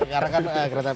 karena kan kereta